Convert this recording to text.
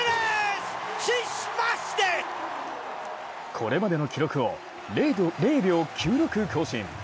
これまでの記録を０秒９６更新。